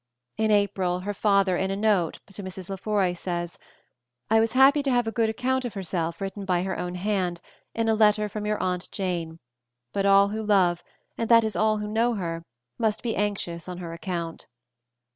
In April her father in a note to Mrs. Lefroy says: "I was happy to have a good account of herself written by her own hand, in a letter from your Aunt Jane; but all who love, and that is all who know her, must be anxious on her account."